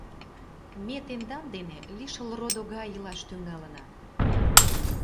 Ме тендан дене лишыл родо гай илаш тӱҥалына.